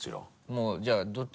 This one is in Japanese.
もうじゃあどっちか。